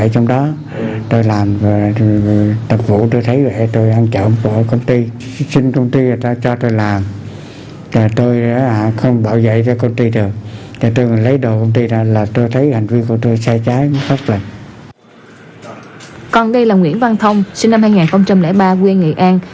còn đây là nguyễn văn thông sinh năm hai nghìn ba quê nghệ an